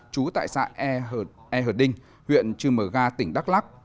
chú tại xã e hờ đinh huyện chư mờ ga tỉnh đắk lắc